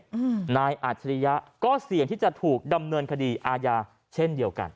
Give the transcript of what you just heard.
อืมนายอัจฉริยะก็เสี่ยงที่จะถูกดำเนินคดีอาญาเช่นเดียวกัน